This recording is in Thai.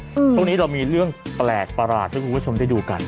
ช่วงนี้เรามีเรื่องแปลกประหลาดให้คุณผู้ชมได้ดูกัน